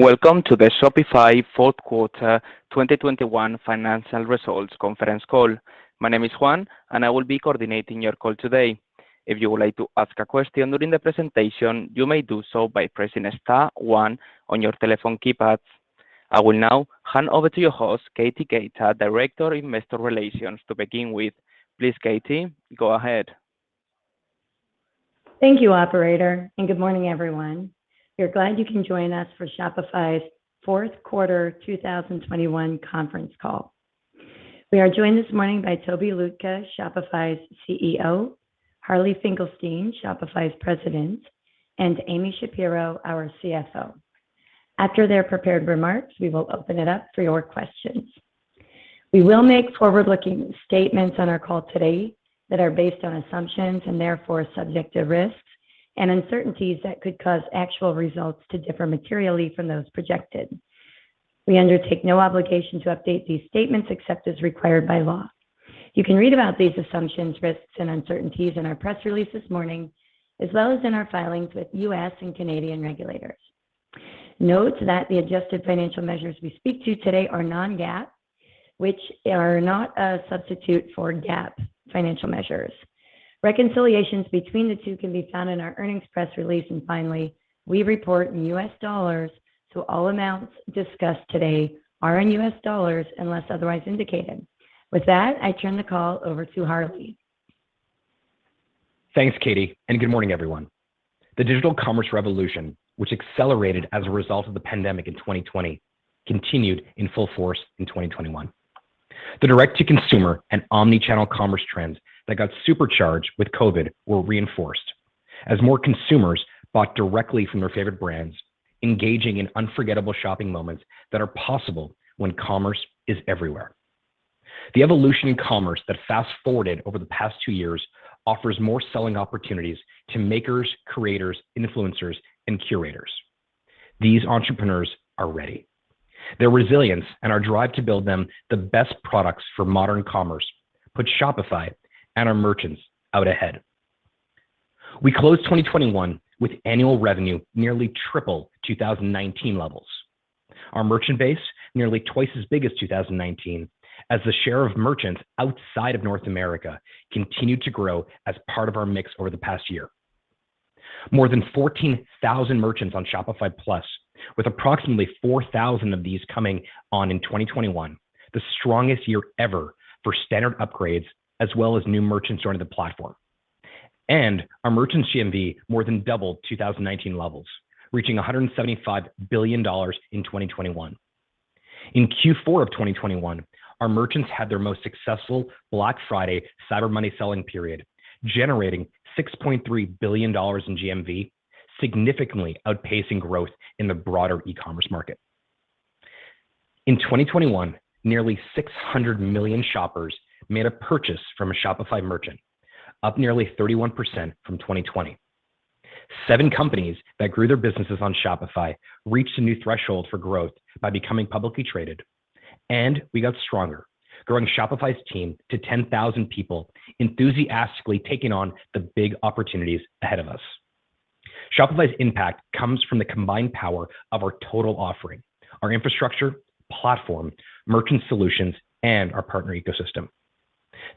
Welcome to the Shopify fourth quarter 2021 financial results conference call. My name is Juan and I will be coordinating your call today. If you would like to ask a question during the presentation, you may do so by pressing star one on your telephone keypads. I will now hand over to your host, Katie Keita, Director of Investor Relations to begin with. Please, Katie, go ahead. Thank you, operator, and good morning, everyone. We're glad you can join us for Shopify's fourth quarter 2021 conference call. We are joined this morning by Tobi Lütke, Shopify's CEO, Harley Finkelstein, Shopify's President, and Amy Shapero, our CFO. After their prepared remarks, we will open it up for your questions. We will make forward-looking statements on our call today that are based on assumptions and therefore subject to risks and uncertainties that could cause actual results to differ materially from those projected. We undertake no obligation to update these statements except as required by law. You can read about these assumptions, risks, and uncertainties in our press release this morning, as well as in our filings with U.S. and Canadian regulators. Note that the adjusted financial measures we speak to today are non-GAAP, which are not a substitute for GAAP financial measures. Reconciliations between the two can be found in our earnings press release. Finally, we report in U.S. dollars, so all amounts discussed today are in U.S. dollars unless otherwise indicated. With that, I turn the call over to Harley. Thanks, Katie, and good morning, everyone. The digital commerce revolution, which accelerated as a result of the pandemic in 2020, continued in full force in 2021. The direct-to-consumer and omni-channel commerce trends that got supercharged with COVID were reinforced as more consumers bought directly from their favorite brands, engaging in unforgettable shopping moments that are possible when commerce is everywhere. The evolution in commerce that fast-forwarded over the past two years offers more selling opportunities to makers, creators, influencers, and curators. These entrepreneurs are ready. Their resilience and our drive to build them the best products for modern commerce put Shopify and our merchants out ahead. We closed 2021 with annual revenue nearly triple 2019 levels. Our merchant base is nearly twice as big as in 2019 as the share of merchants outside of North America continued to grow as part of our mix over the past year. More than 14,000 merchants on Shopify Plus, with approximately 4,000 of these coming on in 2021, the strongest year ever for standard upgrades as well as new merchants joining the platform. Our merchants GMV more than doubled 2019 levels, reaching $175 billion in 2021. In Q4 of 2021, our merchants had their most successful Black Friday Cyber Monday selling period, generating $6.3 billion in GMV, significantly outpacing growth in the broader e-commerce market. In 2021, nearly 600 million shoppers made a purchase from a Shopify merchant, up nearly 31% from 2020. Seven companies that grew their businesses on Shopify reached a new threshold for growth by becoming publicly traded. We got stronger, growing Shopify's team to 10,000 people enthusiastically taking on the big opportunities ahead of us. Shopify's impact comes from the combined power of our total offering, our infrastructure, platform, merchant solutions, and our partner ecosystem.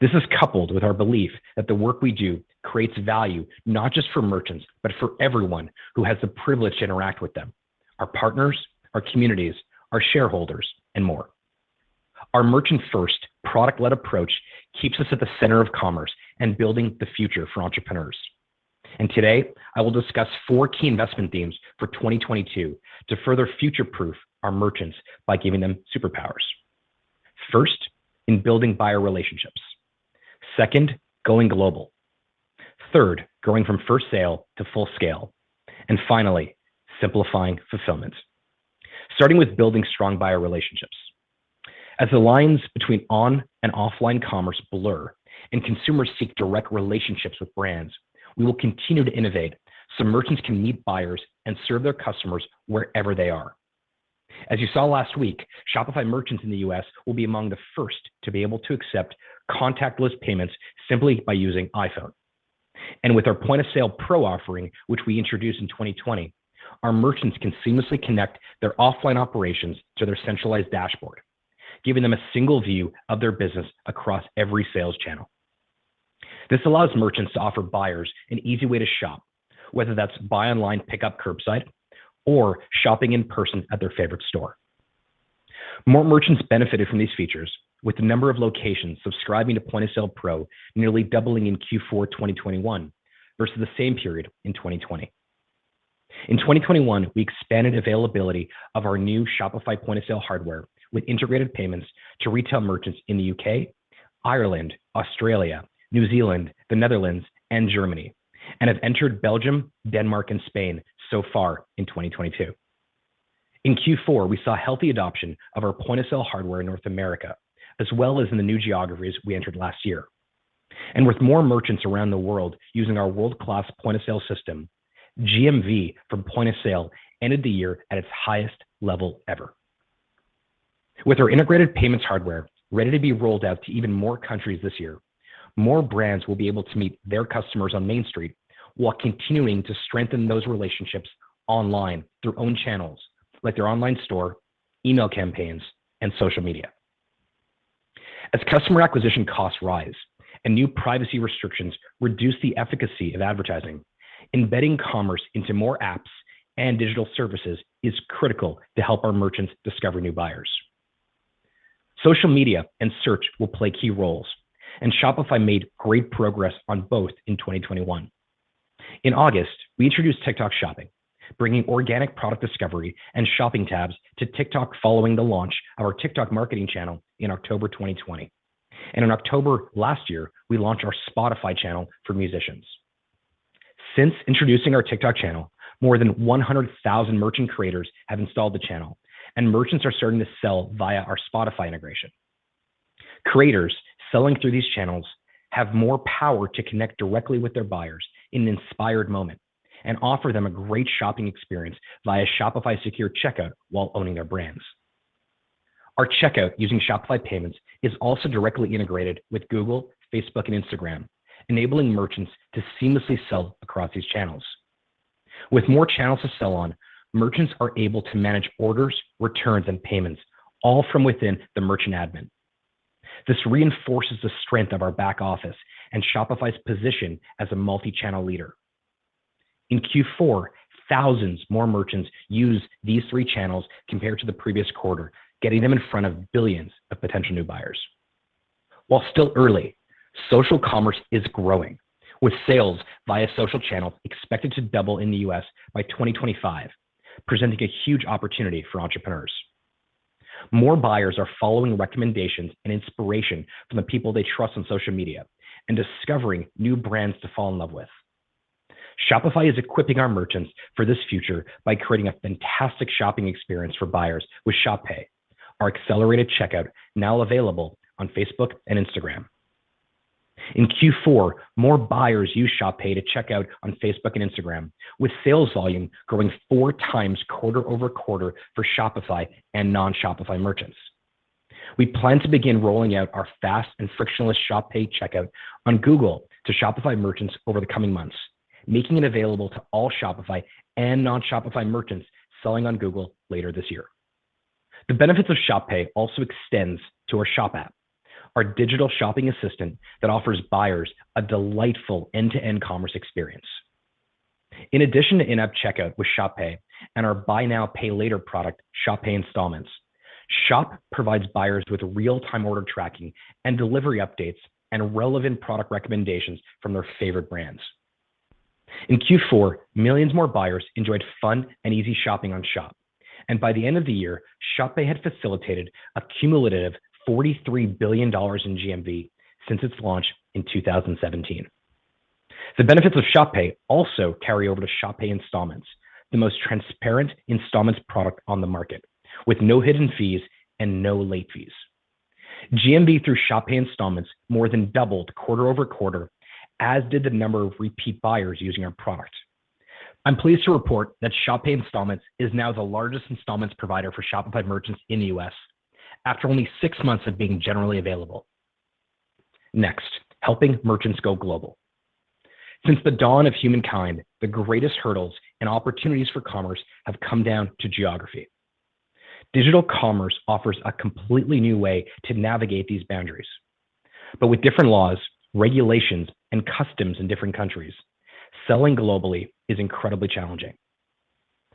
This is coupled with our belief that the work we do creates value not just for merchants, but for everyone who has the privilege to interact with them, our partners, our communities, our shareholders, and more. Our merchant-first, product-led approach keeps us at the center of commerce and building the future for entrepreneurs. Today, I will discuss four key investment themes for 2022 to further future-proof our merchants by giving them superpowers. First, in building buyer relationships. Second, going global. Third, going from first sale to full scale. Finally, simplifying fulfillment. Starting with building strong buyer relationships. As the lines between on and offline commerce blur and consumers seek direct relationships with brands, we will continue to innovate so merchants can meet buyers and serve their customers wherever they are. As you saw last week, Shopify merchants in the U.S. will be among the first to be able to accept contactless payments simply by using iPhone. With our Point of Sale Pro offering, which we introduced in 2020, our merchants can seamlessly connect their offline operations to their centralized dashboard, giving them a single view of their business across every sales channel. This allows merchants to offer buyers an easy way to shop, whether that's buy online, pickup curbside, or shopping in person at their favorite store. More merchants benefited from these features, with the number of locations subscribing to Point of Sale Pro nearly doubling in Q4 2021 versus the same period in 2020. In 2021, we expanded availability of our new Shopify Point of Sale hardware with integrated payments to retail merchants in the U.K., Ireland, Australia, New Zealand, the Netherlands, and Germany, and have entered Belgium, Denmark, and Spain so far in 2022. In Q4, we saw healthy adoption of our Point of Sale hardware in North America, as well as in the new geographies we entered last year. With more merchants around the world using our world-class Point of Sale system, GMV from Point of Sale ended the year at its highest level ever. With our integrated payments hardware ready to be rolled out to even more countries this year, more brands will be able to meet their customers on Main Street while continuing to strengthen those relationships online through own channels like their online store, email campaigns, and social media. As customer acquisition costs rise and new privacy restrictions reduce the efficacy of advertising, embedding commerce into more apps and digital services is critical to help our merchants discover new buyers. Social media and search will play key roles, and Shopify made great progress on both in 2021. In August, we introduced TikTok Shopping, bringing organic product discovery and shopping tabs to TikTok following the launch of our TikTok marketing channel in October 2020. In October last year, we launched our Spotify channel for musicians. Since introducing our TikTok channel, more than 100,000 merchant creators have installed the channel, and merchants are starting to sell via our Spotify integration. Creators selling through these channels have more power to connect directly with their buyers in an inspired moment and offer them a great shopping experience via Shopify Secure Checkout while owning their brands. Our checkout using Shopify Payments is also directly integrated with Google, Facebook and Instagram, enabling merchants to seamlessly sell across these channels. With more channels to sell on, merchants are able to manage orders, returns, and payments all from within the merchant admin. This reinforces the strength of our back office and Shopify's position as a multi-channel leader. In Q4, thousands more merchants used these three channels compared to the previous quarter, getting them in front of billions of potential new buyers. While still early, social commerce is growing, with sales via social channel expected to double in the U.S. by 2025, presenting a huge opportunity for entrepreneurs. More buyers are following recommendations and inspiration from the people they trust on social media and discovering new brands to fall in love with. Shopify is equipping our merchants for this future by creating a fantastic shopping experience for buyers with Shop Pay, our accelerated checkout now available on Facebook and Instagram. In Q4, more buyers used Shop Pay to check out on Facebook and Instagram, with sales volume growing four times quarter-over-quarter for Shopify and non-Shopify merchants. We plan to begin rolling out our fast and frictionless Shop Pay checkout on Google to Shopify merchants over the coming months, making it available to all Shopify and non-Shopify merchants selling on Google later this year. The benefits of Shop Pay also extends to our Shop app, our digital shopping assistant that offers buyers a delightful end-to-end commerce experience. In addition to in-app checkout with Shop Pay and our buy now, pay later product, Shop Pay Installments, Shop provides buyers with real-time order tracking and delivery updates and relevant product recommendations from their favorite brands. In Q4, millions more buyers enjoyed fun and easy shopping on Shop, and by the end of the year, Shop Pay had facilitated a cumulative $43 billion in GMV since its launch in 2017. The benefits of Shop Pay also carry over to Shop Pay Installments, the most transparent installments product on the market, with no hidden fees and no late fees. GMV through Shop Pay Installments more than doubled quarter-over-quarter, as did the number of repeat buyers using our product. I'm pleased to report that Shop Pay Installments is now the largest installments provider for Shopify merchants in the U.S. after only six months of being generally available. Next, helping merchants go global. Since the dawn of humankind, the greatest hurdles and opportunities for commerce have come down to geography. Digital commerce offers a completely new way to navigate these boundaries. With different laws, regulations, and customs in different countries, selling globally is incredibly challenging.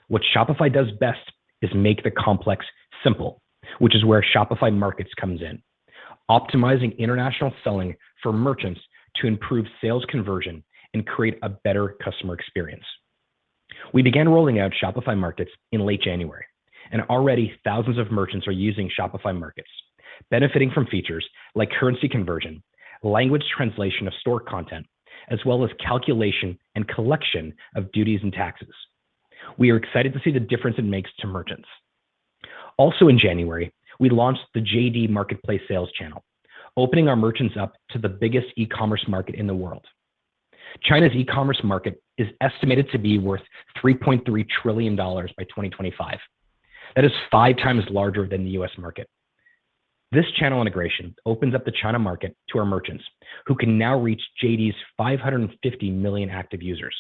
What Shopify does best is make the complex simple, which is where Shopify Markets comes in, optimizing international selling for merchants to improve sales conversion and create a better customer experience. We began rolling out Shopify Markets in late January, and already thousands of merchants are using Shopify Markets, benefiting from features like currency conversion, language translation of store content, as well as calculation and collection of duties and taxes. We are excited to see the difference it makes to merchants. Also in January, we launched the JD Marketplace sales channel, opening our merchants up to the biggest e-commerce market in the world. China's e-commerce market is estimated to be worth $3.3 trillion by 2025. That is five times larger than the U.S. market. This channel integration opens up the China market to our merchants, who can now reach JD's 550 million active users.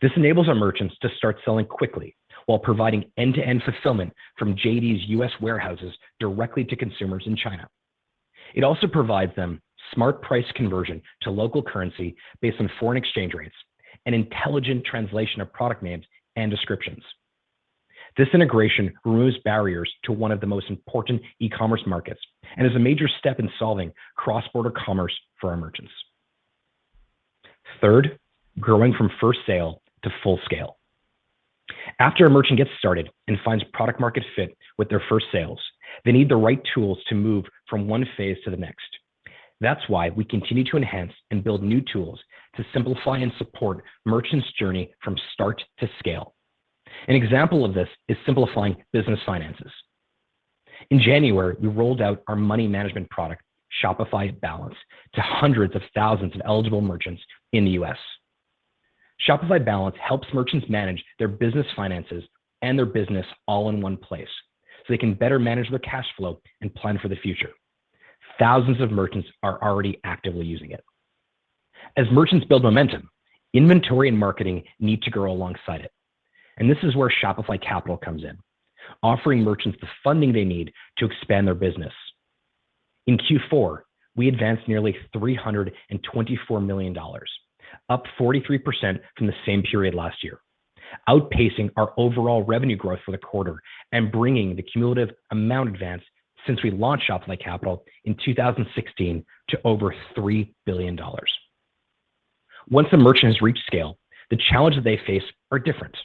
This enables our merchants to start selling quickly while providing end-to-end fulfillment from JD's U.S. warehouses directly to consumers in China. It also provides them smart price conversion to local currency based on foreign exchange rates and intelligent translation of product names and descriptions. This integration removes barriers to one of the most important e-commerce markets and is a major step in solving cross-border commerce for our merchants. Third, growing from first sale to full scale. After a merchant gets started and finds product market fit with their first sales, they need the right tools to move from one phase to the next. That's why we continue to enhance and build new tools to simplify and support merchants' journey from start to scale. An example of this is simplifying business finances. In January, we rolled out our money management product, Shopify Balance, to hundreds of thousands of eligible merchants in the U.S. Shopify Balance helps merchants manage their business finances and their business all in one place, so they can better manage their cash flow and plan for the future. Thousands of merchants are already actively using it. As merchants build momentum, inventory and marketing need to grow alongside it. This is where Shopify Capital comes in, offering merchants the funding they need to expand their business. In Q4, we advanced nearly $324 million, up 43% from the same period last year, outpacing our overall revenue growth for the quarter and bringing the cumulative amount advanced since we launched Shopify Capital in 2016 to over $3 billion. Once a merchant has reached scale, the challenges they face are different.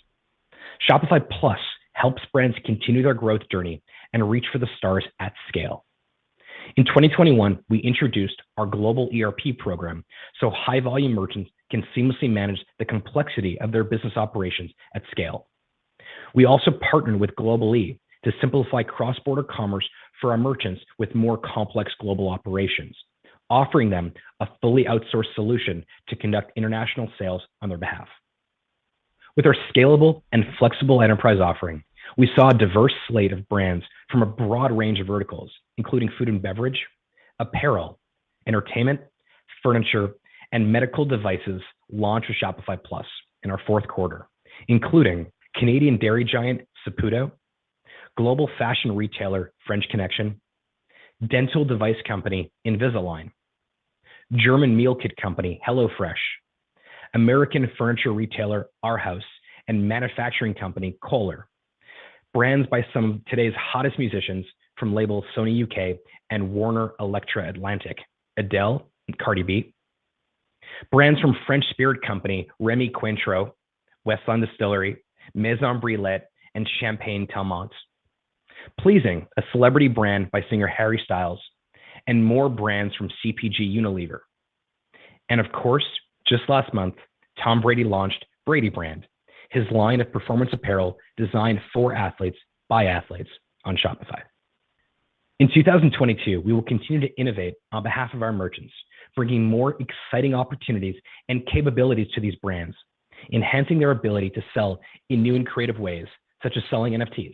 Shopify Plus helps brands continue their growth journey and reach for the stars at scale. In 2021, we introduced our global ERP program, so high-volume merchants can seamlessly manage the complexity of their business operations at scale. We also partnered with Global-e to simplify cross-border commerce for our merchants with more complex global operations, offering them a fully outsourced solution to conduct international sales on their behalf. With our scalable and flexible enterprise offering, we saw a diverse slate of brands from a broad range of verticals, including food and beverage, apparel, entertainment, furniture, and medical devices launch with Shopify Plus in our fourth quarter, including Canadian dairy giant Saputo, global fashion retailer French Connection, dental device company Invisalign, German meal kit company HelloFresh, American furniture retailer Arhaus, and manufacturing company Kohler. Brands by some of today's hottest musicians from labels Sony U.K. and Warner-Elektra-Atlantic, Adele and Cardi B. Brands from French spirit company Rémy Cointreau, Westland Distillery, Maison Brillet, and Champagne Telmont. Pleasing, a celebrity brand by singer Harry Styles, and more brands from CPG Unilever. Of course, just last month, Tom Brady launched BRADY brand, his line of performance apparel designed for athletes by athletes on Shopify. In 2022, we will continue to innovate on behalf of our merchants, bringing more exciting opportunities and capabilities to these brands, enhancing their ability to sell in new and creative ways, such as selling NFTs.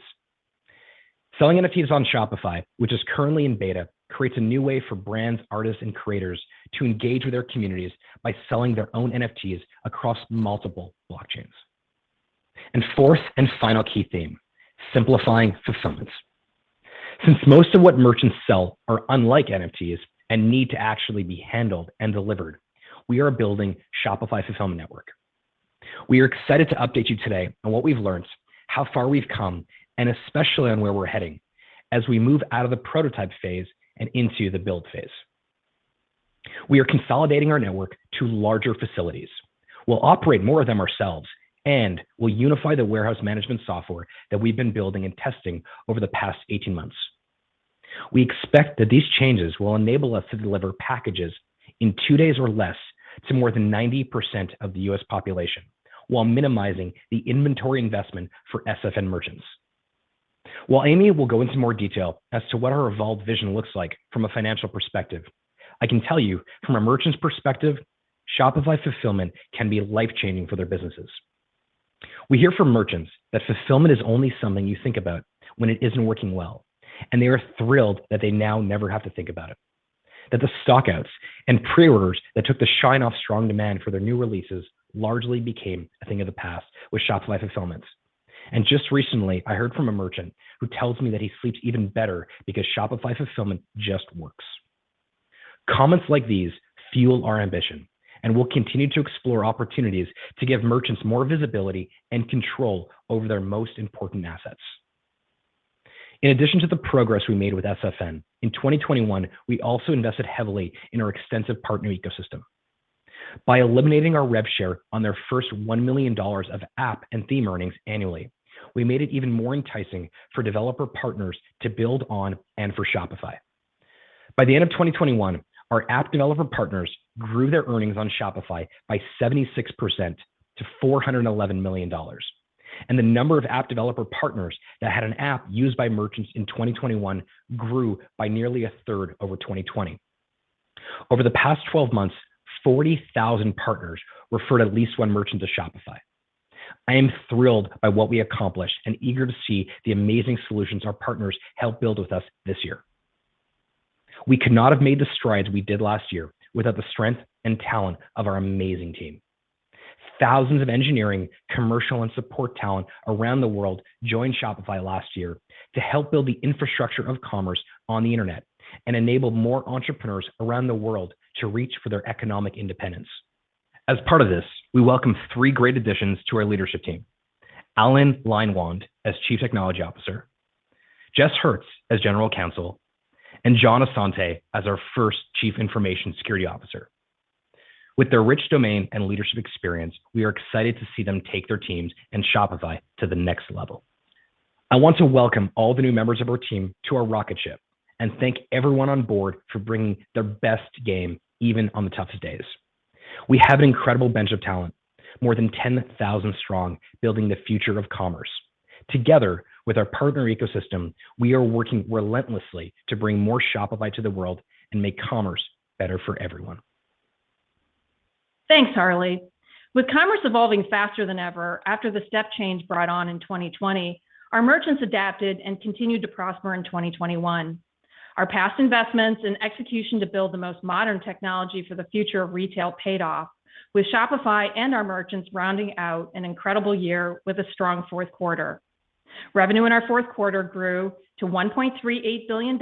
Selling NFTs on Shopify, which is currently in beta, creates a new way for brands, artists, and creators to engage with their communities by selling their own NFTs across multiple blockchains. Fourth and final key theme, simplifying fulfillment. Since most of what merchants sell are unlike NFTs and need to actually be handled and delivered, we are building Shopify Fulfillment Network. We are excited to update you today on what we've learned, how far we've come, and especially on where we're heading as we move out of the prototype phase and into the build phase. We are consolidating our network to larger facilities. We'll operate more of them ourselves, and we'll unify the warehouse management software that we've been building and testing over the past 18 months. We expect that these changes will enable us to deliver packages in two days or less to more than 90% of the U.S. population while minimizing the inventory investment for SFN merchants. While Amy will go into more detail as to what our evolved vision looks like from a financial perspective, I can tell you from a merchant's perspective, Shopify Fulfillment can be life-changing for their businesses. We hear from merchants that fulfillment is only something you think about when it isn't working well, and they are thrilled that they now never have to think about it. That the stock outs and pre-orders that took the shine off strong demand for their new releases largely became a thing of the past with Shopify Fulfillment. Just recently, I heard from a merchant who tells me that he sleeps even better because Shopify Fulfillment just works. Comments like these fuel our ambition, and we'll continue to explore opportunities to give merchants more visibility and control over their most important assets. In addition to the progress we made with SFN, in 2021, we also invested heavily in our extensive partner ecosystem. By eliminating our rev share on their first $1 million of app and theme earnings annually, we made it even more enticing for developer partners to build on and for Shopify. By the end of 2021, our app developer partners grew their earnings on Shopify by 76% to $411 million. The number of app developer partners that had an app used by merchants in 2021 grew by nearly a third over 2020. Over the past 12 months, 40,000 partners referred at least one merchant to Shopify. I am thrilled by what we accomplished and eager to see the amazing solutions our partners help build with us this year. We could not have made the strides we did last year without the strength and talent of our amazing team. Thousands of engineering, commercial, and support talent around the world joined Shopify last year to help build the infrastructure of commerce on the Internet and enable more entrepreneurs around the world to reach for their economic independence. As part of this, we welcome three great additions to our leadership team. Allan Leinwand as Chief Technology Officer, Jess Hertz as General Counsel, and John Asante as our first Chief Information Security Officer. With their rich domain and leadership experience, we are excited to see them take their teams and Shopify to the next level. I want to welcome all the new members of our team to our rocket ship and thank everyone on board for bringing their best game even on the toughest days. We have an incredible bench of talent, more than 10,000 strong, building the future of commerce. Together with our partner ecosystem, we are working relentlessly to bring more Shopify to the world and make commerce better for everyone. Thanks, Harley. With commerce evolving faster than ever after the step change brought on in 2020, our merchants adapted and continued to prosper in 2021. Our past investments and execution to build the most modern technology for the future of retail paid off, with Shopify and our merchants rounding out an incredible year with a strong fourth quarter. Revenue in our fourth quarter grew to $1.38 billion,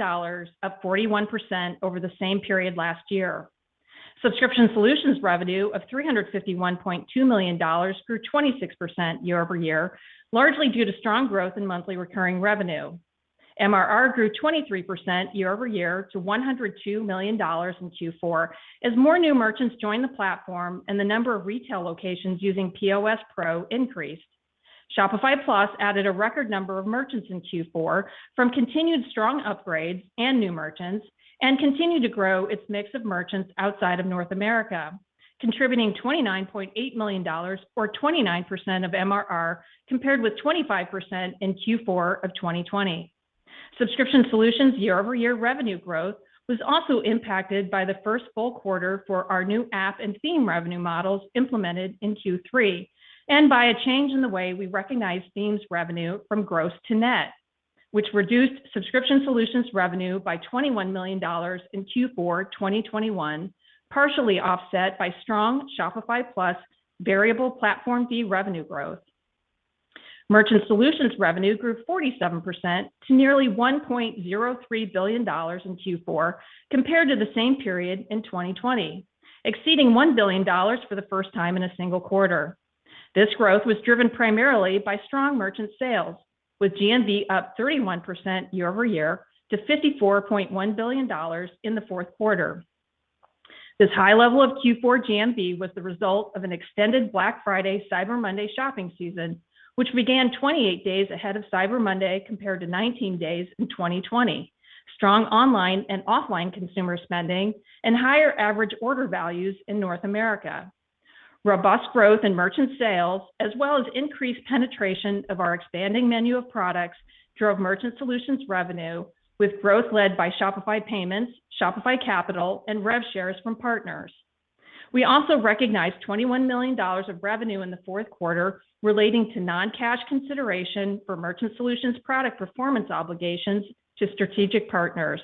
up 41% over the same period last year. Subscription solutions revenue of $351.2 million grew 26% year-over-year, largely due to strong growth in monthly recurring revenue. MRR grew 23% year-over-year to $102 million in Q4 as more new merchants joined the platform and the number of retail locations using POS Pro increased. Shopify Plus added a record number of merchants in Q4 from continued strong upgrades and new merchants and continued to grow its mix of merchants outside of North America, contributing $29.8 million or 29% of MRR compared with 25% in Q4 of 2020. Subscription solutions year-over-year revenue growth was also impacted by the first full quarter for our new app and theme revenue models implemented in Q3 and by a change in the way we recognize themes revenue from gross to net, which reduced subscription solutions revenue by $21 million in Q4 2021, partially offset by strong Shopify Plus variable platform fee revenue growth. Merchant solutions revenue grew 47% to nearly $1.03 billion in Q4 compared to the same period in 2020, exceeding $1 billion for the first time in a single quarter. This growth was driven primarily by strong merchant sales, with GMV up 31% year-over-year to $54.1 billion in the fourth quarter. This high level of Q4 GMV was the result of an extended Black Friday Cyber Monday shopping season, which began 28 days ahead of Cyber Monday compared to 19 days in 2020, strong online and offline consumer spending, and higher average order values in North America. Robust growth in merchant sales, as well as increased penetration of our expanding menu of products, drove merchant solutions revenue, with growth led by Shopify Payments, Shopify Capital, and rev shares from partners. We also recognized $21 million of revenue in the fourth quarter relating to non-cash consideration for merchant solutions product performance obligations to strategic partners.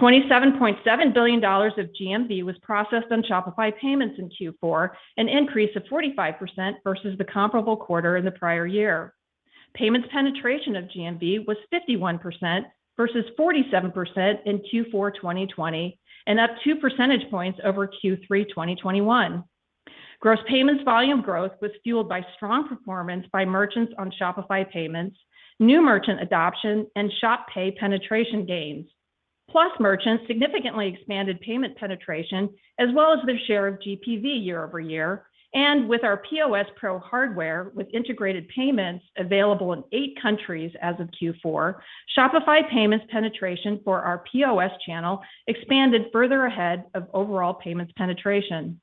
$27.7 billion of GMV was processed on Shopify Payments in Q4, an increase of 45% versus the comparable quarter in the prior year. Payments penetration of GMV was 51% versus 47% in Q4 2020, and up two percentage points over Q3 2021. Gross payments volume growth was fueled by strong performance by merchants on Shopify Payments, new merchant adoption, and Shop Pay penetration gains. Merchants significantly expanded payment penetration as well as their share of GPV year-over-year. With our POS Pro hardware with integrated payments available in eight countries as of Q4, Shopify Payments penetration for our POS channel expanded further ahead of overall payments penetration.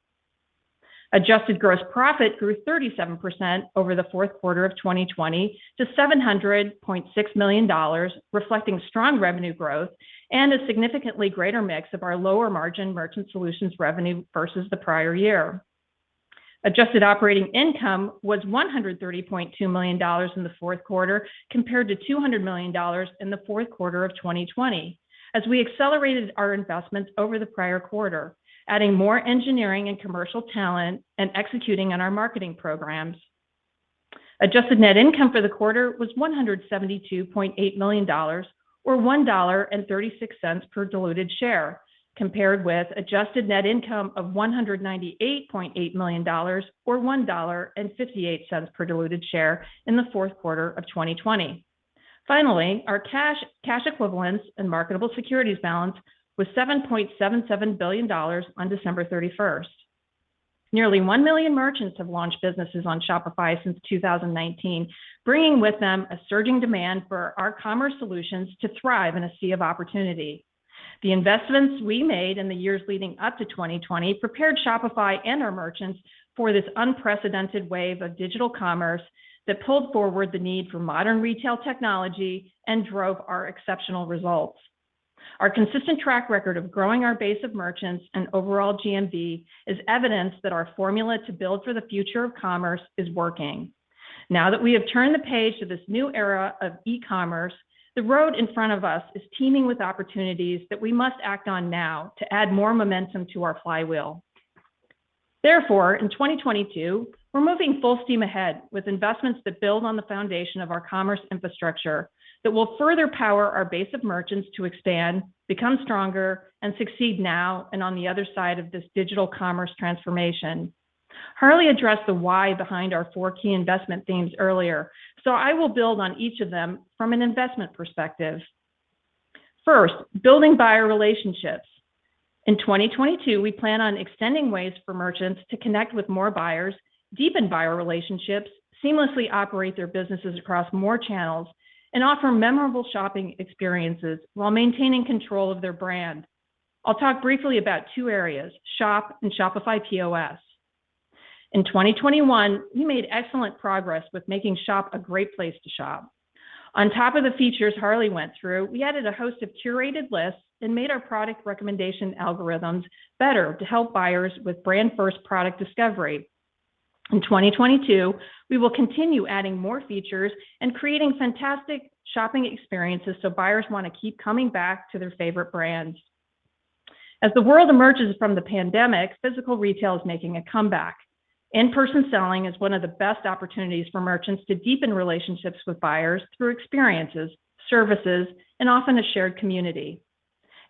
Adjusted gross profit grew 37% over the fourth quarter of 2020 to $700.6 million, reflecting strong revenue growth and a significantly greater mix of our lower-margin merchant solutions revenue versus the prior year. Adjusted operating income was $130.2 million in the fourth quarter compared to $200 million in the fourth quarter of 2020 as we accelerated our investments over the prior quarter, adding more engineering and commercial talent and executing on our marketing programs. Adjusted net income for the quarter was $172.8 million or $1.36 per diluted share, compared with adjusted net income of $198.8 million or $1.58 per diluted share in the fourth quarter of 2020. Finally, our cash equivalents and marketable securities balance was $7.77 billion on December 31st. Nearly one million merchants have launched businesses on Shopify since 2019, bringing with them a surging demand for our commerce solutions to thrive in a sea of opportunity. The investments we made in the years leading up to 2020 prepared Shopify and our merchants for this unprecedented wave of digital commerce that pulled forward the need for modern retail technology and drove our exceptional results. Our consistent track record of growing our base of merchants and overall GMV is evidence that our formula to build for the future of commerce is working. Now that we have turned the page to this new era of e-commerce, the road in front of us is teeming with opportunities that we must act on now to add more momentum to our flywheel. Therefore, in 2022, we're moving full steam ahead with investments that build on the foundation of our commerce infrastructure that will further power our base of merchants to expand, become stronger, and succeed now and on the other side of this digital commerce transformation. Harley addressed the why behind our four key investment themes earlier, so I will build on each of them from an investment perspective. First, building buyer relationships. In 2022, we plan on extending ways for merchants to connect with more buyers, deepen buyer relationships, seamlessly operate their businesses across more channels, and offer memorable shopping experiences while maintaining control of their brand. I'll talk briefly about two areas, Shop and Shopify POS. In 2021, we made excellent progress with making Shop a great place to shop. On top of the features Harley went through, we added a host of curated lists and made our product recommendation algorithms better to help buyers with brand first product discovery. In 2022, we will continue adding more features and creating fantastic shopping experiences so buyers want to keep coming back to their favorite brands. As the world emerges from the pandemic, physical retail is making a comeback. In-person selling is one of the best opportunities for merchants to deepen relationships with buyers through experiences, services, and often a shared community.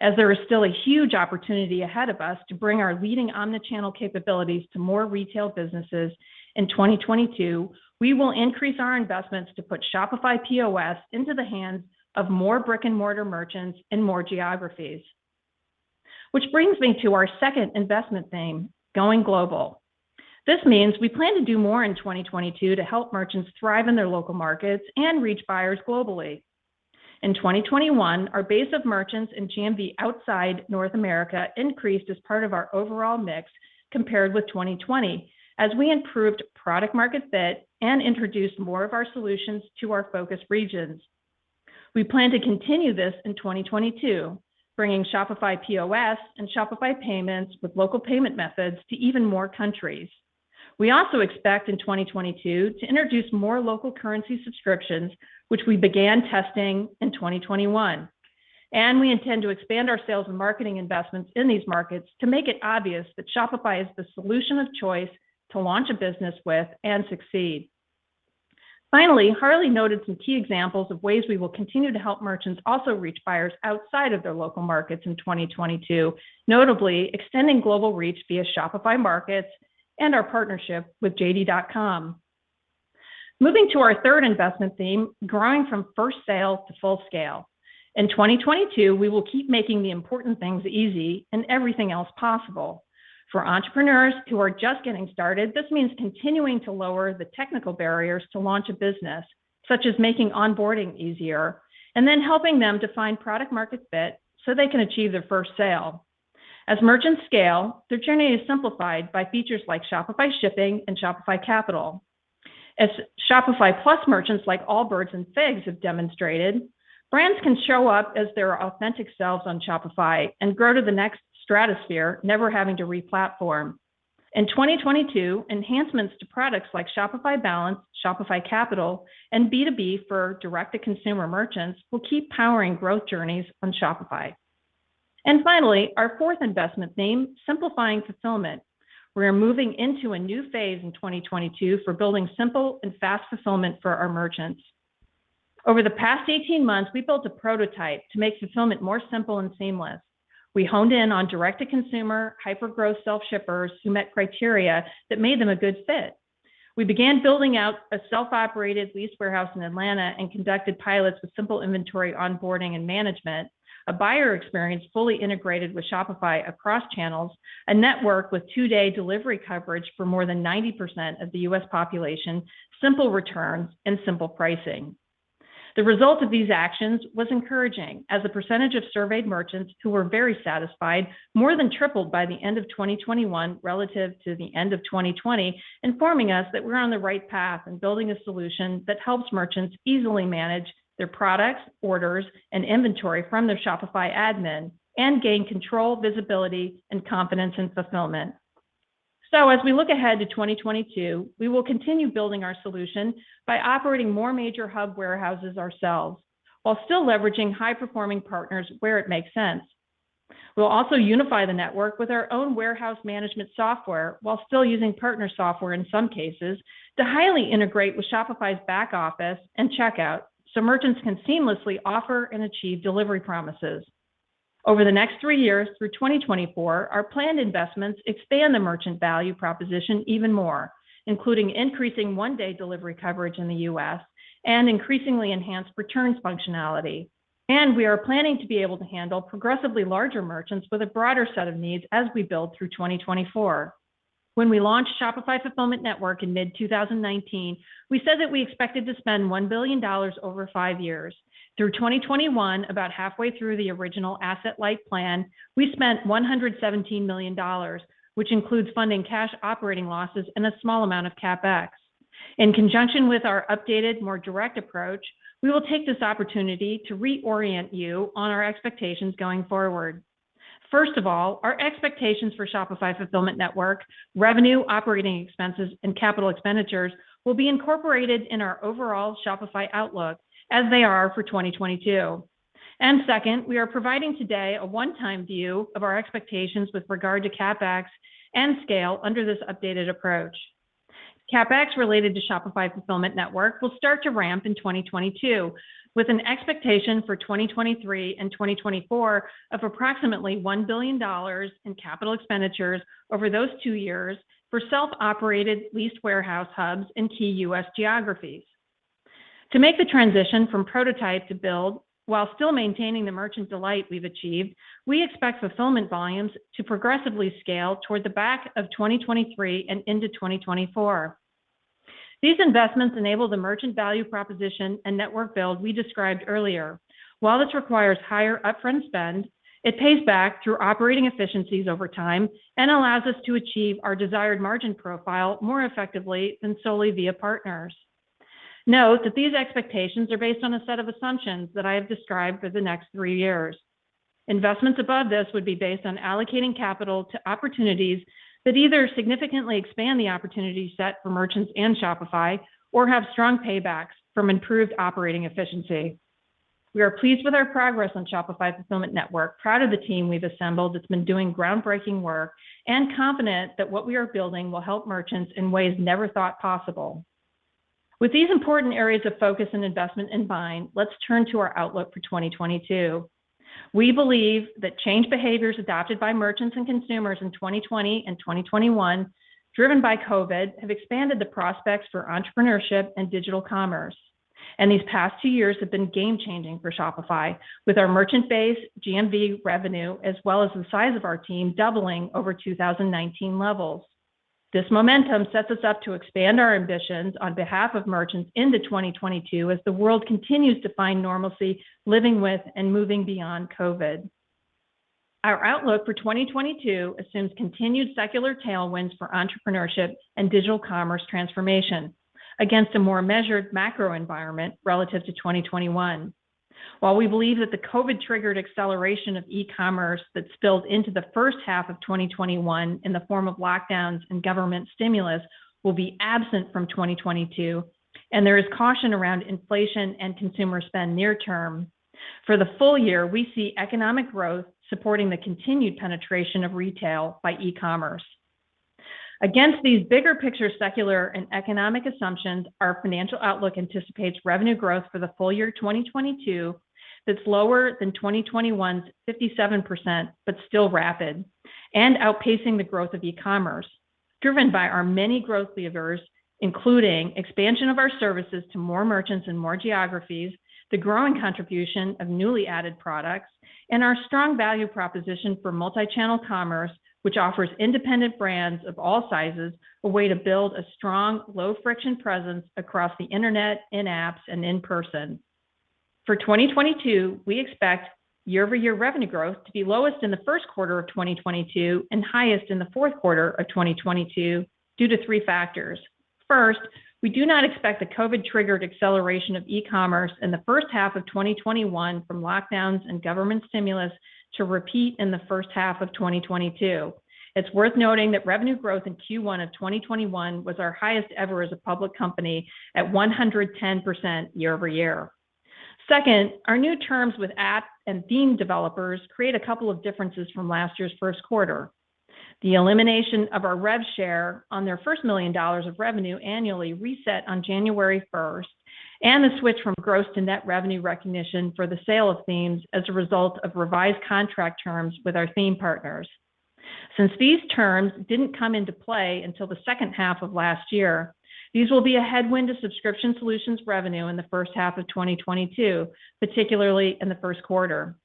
As there is still a huge opportunity ahead of us to bring our leading omni-channel capabilities to more retail businesses in 2022, we will increase our investments to put Shopify POS into the hands of more brick-and-mortar merchants in more geographies. Which brings me to our second investment theme, going global. This means we plan to do more in 2022 to help merchants thrive in their local markets and reach buyers globally. In 2021, our base of merchants in GMV outside North America increased as part of our overall mix compared with 2020, as we improved product market fit and introduced more of our solutions to our focus regions. We plan to continue this in 2022, bringing Shopify POS and Shopify Payments with local payment methods to even more countries. We also expect in 2022 to introduce more local currency subscriptions, which we began testing in 2021. We intend to expand our sales and marketing investments in these markets to make it obvious that Shopify is the solution of choice to launch a business with and succeed. Finally, Harley noted some key examples of ways we will continue to help merchants also reach buyers outside of their local markets in 2022, notably extending global reach via Shopify Markets and our partnership with JD.com. Moving to our third investment theme, growing from first sale to full scale. In 2022, we will keep making the important things easy and everything else possible. For entrepreneurs who are just getting started, this means continuing to lower the technical barriers to launch a business, such as making onboarding easier, and then helping them to find product market fit so they can achieve their first sale. As merchants scale, their journey is simplified by features like Shopify Shipping and Shopify Capital. As Shopify Plus merchants like Allbirds and FIGS have demonstrated, brands can show up as their authentic selves on Shopify and grow to the next stratosphere, never having to re-platform. In 2022, enhancements to products like Shopify Balance, Shopify Capital, and B2B for direct-to-consumer merchants will keep powering growth journeys on Shopify. Finally, our fourth investment theme, simplifying fulfillment. We are moving into a new phase in 2022 for building simple and fast fulfillment for our merchants. Over the past 18 months, we built a prototype to make fulfillment more simple and seamless. We honed in on direct-to-consumer, hyper-growth self-shippers who met criteria that made them a good fit. We began building out a self-operated leased warehouse in Atlanta and conducted pilots with simple inventory onboarding and management, a buyer experience fully integrated with Shopify across channels, a network with two-day delivery coverage for more than 90% of the U.S. population, simple returns, and simple pricing. The result of these actions was encouraging as the percentage of surveyed merchants who were very satisfied more than tripled by the end of 2021 relative to the end of 2020, informing us that we're on the right path in building a solution that helps merchants easily manage their products, orders, and inventory from their Shopify admin and gain control, visibility, and confidence in fulfillment. As we look ahead to 2022, we will continue building our solution by operating more major hub warehouses ourselves while still leveraging high-performing partners where it makes sense. We'll also unify the network with our own warehouse management software while still using partner software in some cases to highly integrate with Shopify's back office and checkout so merchants can seamlessly offer and achieve delivery promises. Over the next three years through 2024, our planned investments expand the merchant value proposition even more, including increasing one-day delivery coverage in the U.S. and increasingly enhanced returns functionality. We are planning to be able to handle progressively larger merchants with a broader set of needs as we build through 2024. When we launched Shopify Fulfillment Network in mid-2019, we said that we expected to spend $1 billion over five years. Through 2021, about halfway through the original asset life plan, we spent $117 million, which includes funding cash operating losses and a small amount of CapEx. In conjunction with our updated, more direct approach, we will take this opportunity to reorient you on our expectations going forward. First of all, our expectations for Shopify Fulfillment Network, revenue, operating expenses, and capital expenditures will be incorporated in our overall Shopify outlook as they are for 2022. Second, we are providing today a one-time view of our expectations with regard to CapEx and scale under this updated approach. CapEx related to Shopify Fulfillment Network will start to ramp in 2022 with an expectation for 2023 and 2024 of approximately $1 billion in capital expenditures over those two years for self-operated leased warehouse hubs in key U.S. geographies. To make the transition from prototype to build while still maintaining the merchant delight we've achieved, we expect fulfillment volumes to progressively scale toward the back of 2023 and into 2024. These investments enable the merchant value proposition and network build we described earlier. While this requires higher upfront spend, it pays back through operating efficiencies over time and allows us to achieve our desired margin profile more effectively than solely via partners. Note that these expectations are based on a set of assumptions that I have described for the next three years. Investments above this would be based on allocating capital to opportunities that either significantly expand the opportunity set for merchants and Shopify or have strong paybacks from improved operating efficiency. We are pleased with our progress on Shopify Fulfillment Network, proud of the team we've assembled that's been doing groundbreaking work, and confident that what we are building will help merchants in ways never thought possible. With these important areas of focus and investment in mind, let's turn to our outlook for 2022. We believe that change behaviors adopted by merchants and consumers in 2020 and 2021, driven by COVID, have expanded the prospects for entrepreneurship and digital commerce. These past two years have been game-changing for Shopify, with our merchant base, GMV revenue, as well as the size of our team doubling over 2019 levels. This momentum sets us up to expand our ambitions on behalf of merchants into 2022 as the world continues to find normalcy living with and moving beyond COVID. Our outlook for 2022 assumes continued secular tailwinds for entrepreneurship and digital commerce transformation against a more measured macro environment relative to 2021. While we believe that the COVID-triggered acceleration of e-commerce that spilled into the first half of 2021 in the form of lockdowns and government stimulus will be absent from 2022, and there is caution around inflation and consumer spend near term, for the full year, we see economic growth supporting the continued penetration of retail by e-commerce. Against these bigger picture secular and economic assumptions, our financial outlook anticipates revenue growth for the full year 2022 that's lower than 2021's 57%, but still rapid, and outpacing the growth of e-commerce, driven by our many growth levers, including expansion of our services to more merchants and more geographies, the growing contribution of newly added products, and our strong value proposition for multi-channel commerce, which offers independent brands of all sizes a way to build a strong, low-friction presence across the internet, in apps, and in person. For 2022, we expect year-over-year revenue growth to be lowest in the first quarter of 2022 and highest in the fourth quarter of 2022 due to three factors. First, we do not expect the COVID-triggered acceleration of e-commerce in the first half of 2021 from lockdowns and government stimulus to repeat in the first half of 2022. It's worth noting that revenue growth in Q1 of 2021 was our highest ever as a public company at 110% year-over-year. Second, our new terms with app and theme developers create a couple of differences from last year's first quarter. The elimination of our rev share on their first $1 million of revenue annually reset on January 1st, and the switch from gross to net revenue recognition for the sale of themes as a result of revised contract terms with our theme partners. Since these terms didn't come into play until the second half of last year, these will be a headwind to subscription solutions revenue in the first half of 2022, particularly in the first quarter.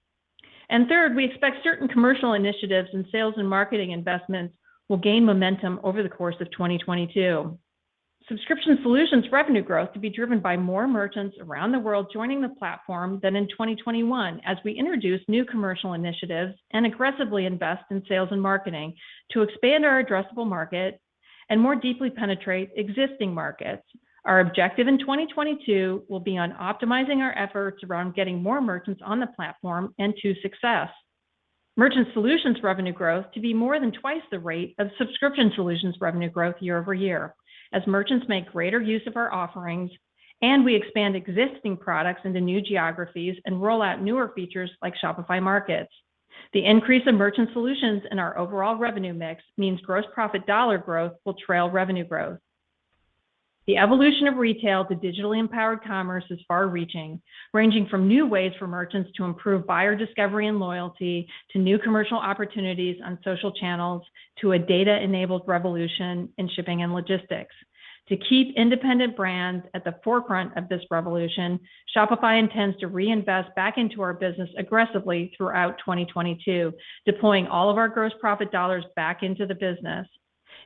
Third, we expect certain commercial initiatives and sales and marketing investments will gain momentum over the course of 2022. Subscription solutions revenue growth to be driven by more merchants around the world joining the platform than in 2021 as we introduce new commercial initiatives and aggressively invest in sales and marketing to expand our addressable market and more deeply penetrate existing markets. Our objective in 2022 will be on optimizing our efforts around getting more merchants on the platform and to success. Merchant solutions revenue growth to be more than twice the rate of subscription solutions revenue growth year-over-year as merchants make greater use of our offerings and we expand existing products into new geographies and roll out newer features like Shopify Markets. The increase in merchant solutions in our overall revenue mix means gross profit dollar growth will trail revenue growth. The evolution of retail to digitally empowered commerce is far-reaching, ranging from new ways for merchants to improve buyer discovery and loyalty to new commercial opportunities on social channels to a data-enabled revolution in shipping and logistics. To keep independent brands at the forefront of this revolution, Shopify intends to reinvest back into our business aggressively throughout 2022, deploying all of our gross profit dollars back into the business.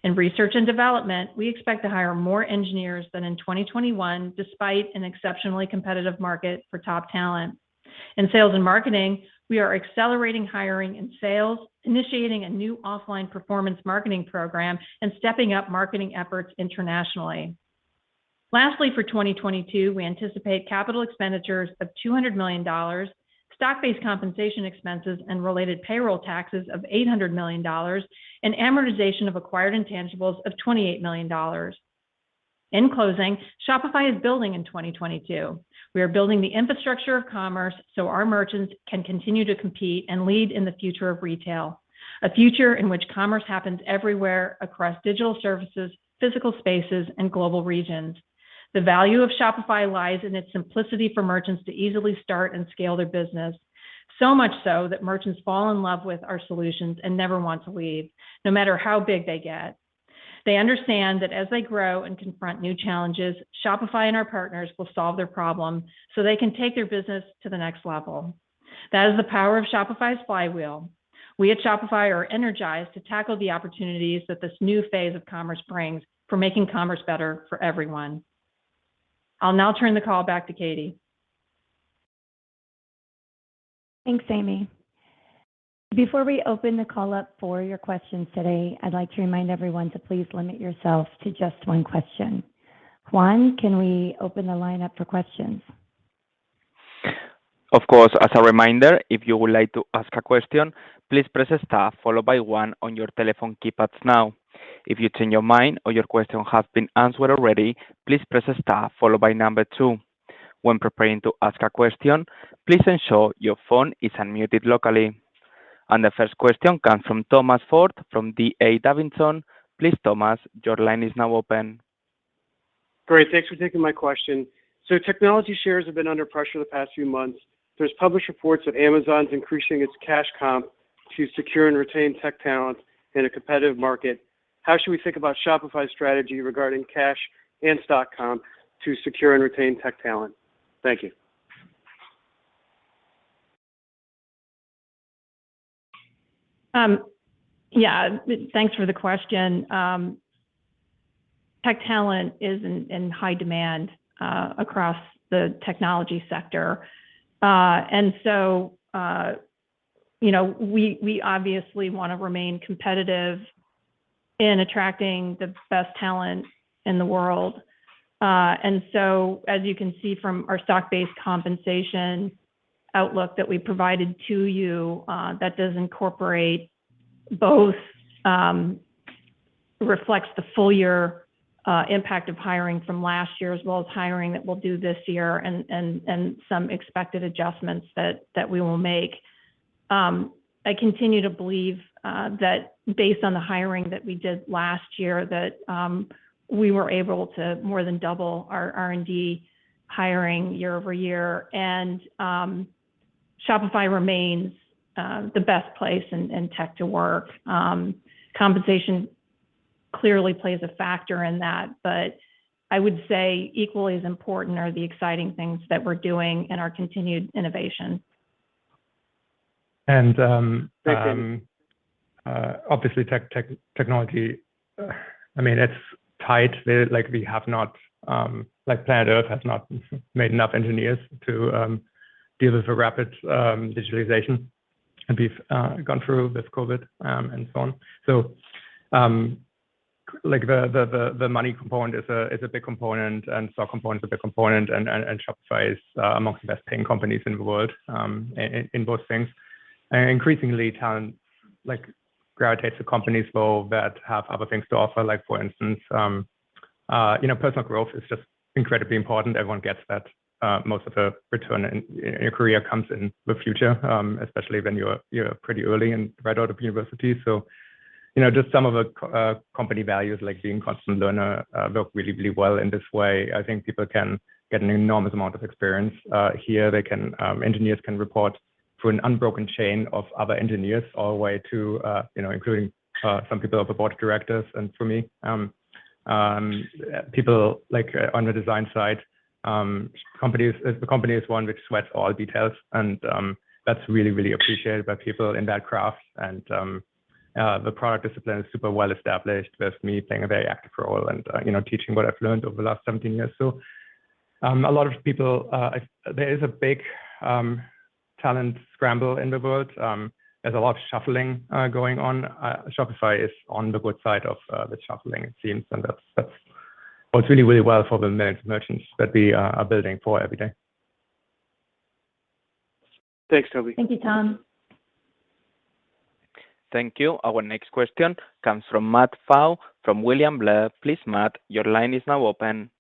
In research and development, we expect to hire more engineers than in 2021 despite an exceptionally competitive market for top talent. In sales and marketing, we are accelerating hiring in sales, initiating a new offline performance marketing program, and stepping up marketing efforts internationally. Lastly, for 2022, we anticipate capital expenditures of $200 million, stock-based compensation expenses and related payroll taxes of $800 million, and amortization of acquired intangibles of $28 million. In closing, Shopify is building in 2022. We are building the infrastructure of commerce so our merchants can continue to compete and lead in the future of retail, a future in which commerce happens everywhere across digital services, physical spaces, and global regions. The value of Shopify lies in its simplicity for merchants to easily start and scale their business, so much so that merchants fall in love with our solutions and never want to leave, no matter how big they get. They understand that as they grow and confront new challenges, Shopify and our partners will solve their problems so they can take their business to the next level. That is the power of Shopify's flywheel. We at Shopify are energized to tackle the opportunities that this new phase of commerce brings for making commerce better for everyone. I'll now turn the call back to Katie. Thanks, Amy. Before we open the call up for your questions today, I'd like to remind everyone to please limit yourself to just one question. Juan, can we open the line up for questions? Of course. As a reminder, if you would like to ask a question, please press star followed by one on your telephone keypads now. If you change your mind or your question has been answered already, please press star followed by number two. When preparing to ask a question, please ensure your phone is unmuted locally. The first question comes from Tom Forte from D.A. Davidson. Please, Tom, your line is now open. Great. Thanks for taking my question. Technology shares have been under pressure the past few months. There's published reports that Amazon's increasing its cash comp to secure and retain tech talent in a competitive market. How should we think about Shopify's strategy regarding cash and stock comp to secure and retain tech talent? Thank you. Yeah. Thanks for the question. Tech talent is in high demand across the technology sector. You know, we obviously wanna remain competitive in attracting the best talent in the world. As you can see from our stock-based compensation outlook that we provided to you, that reflects the full year impact of hiring from last year as well as hiring that we'll do this year and some expected adjustments that we will make. I continue to believe that based on the hiring that we did last year, we were able to more than double our R&D hiring year-over-year. Shopify remains the best place in tech to work. Compensation clearly plays a factor in that, but I would say equally as important are the exciting things that we're doing in our continued innovation. And, um- Thank you. Obviously technology, I mean, it's tight. Like, [planet Earth] has not made enough engineers to deal with the rapid digitalization that we've gone through with COVID and so on. Like, the money component is a big component and stock component is a big component, and Shopify is amongst the best paying companies in the world in both things. Increasingly, talent like gravitates to companies though that have other things to offer. Like for instance, you know, personal growth is just incredibly important. Everyone gets that, most of the return in your career comes in the future, especially when you're pretty early and right out of university. You know, just some of the company values like being constant learner work really, really well in this way. I think people can get an enormous amount of experience here. Engineers can report through an unbroken chain of other engineers all the way to you know, including some people of the board of directors. For me, people like on the design side, the company is one which sweats all details and that's really, really appreciated by people in that craft. The product discipline is super well established with me playing a very active role and you know, teaching what I've learned over the last 17 years. A lot of people, there is a big talent scramble in the world. There's a lot of shuffling going on. Shopify is on the good side of the shuffling it seems, and that's worked really well for the merchants that we are building for every day. Thanks, Tobi. Thank you, Tom. Thank you. Our next question comes from Matt Pfau from William Blair. Please, Matt, your line is now open.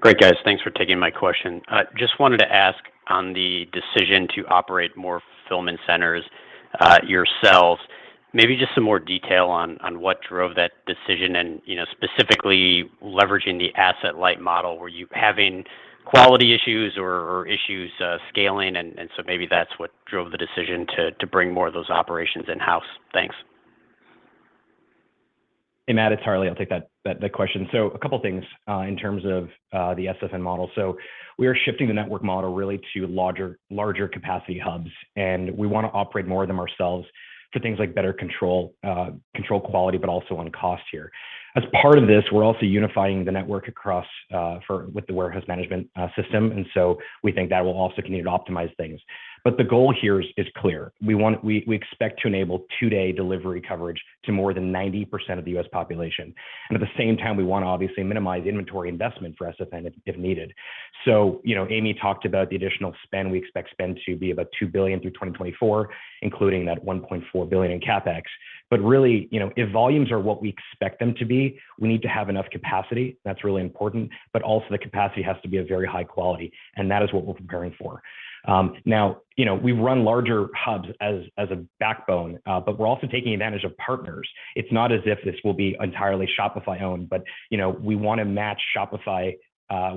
Great, guys. Thanks for taking my question. Just wanted to ask on the decision to operate more fulfillment centers yourselves, maybe just some more detail on what drove that decision and, you know, specifically leveraging the asset-light model. Were you having quality issues or issues scaling and so maybe that's what drove the decision to bring more of those operations in-house? Thanks. Hey, Matt. It's Harley. I'll take that question. A couple things in terms of the SFN model. We are shifting the network model really to larger capacity hubs, and we want to operate more of them ourselves for things like better control quality, but also on cost here. As part of this, we're also unifying the network across for with the warehouse management system. We think that will also continue to optimize things. The goal here is clear. We expect to enable two-day delivery coverage to more than 90% of the U.S. population. At the same time, we want to obviously minimize inventory investment for SFN if needed. You know, Amy talked about the additional spend. We expect spend to be about $2 billion through 2024, including that $1.4 billion in CapEx. Really, you know, if volumes are what we expect them to be, we need to have enough capacity. That's really important, but also the capacity has to be of very high quality, and that is what we're preparing for. Now, you know, we've run larger hubs as a backbone, but we're also taking advantage of partners. It's not as if this will be entirely Shopify-owned, but, you know, we wanna match Shopify